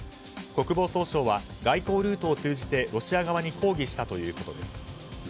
国防総省は外交ルートを通じてロシア側に抗議したということです。